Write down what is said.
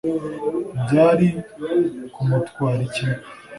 byari ku mutwara iki